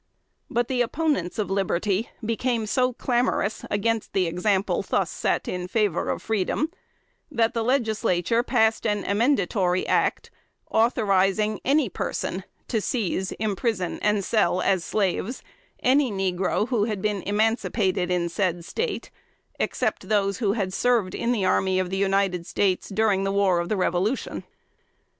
But the opponents of liberty became so clamorous against the example thus set in favor of freedom, that the Legislature passed an amendatory act, authorizing any person to seize, imprison and sell, as slaves, any negro who had been emancipated in said State, except those who had served in the army of the United States during the war of the Revolution.